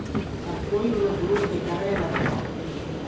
سب ڪوئی اُرو گروئو ڪي چرڻي لگ رهير۔